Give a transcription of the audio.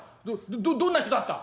どどんな人だった？」。